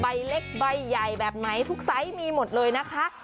ใบเล็กใบใหญ่แบบไหนทุกไซส์มีหมดเลยนะคะ